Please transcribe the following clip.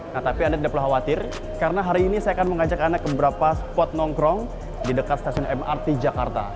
nah tapi anda tidak perlu khawatir karena hari ini saya akan mengajak anda ke beberapa spot nongkrong di dekat stasiun mrt jakarta